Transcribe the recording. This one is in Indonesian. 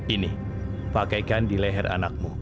ini pakaikan di leher anakmu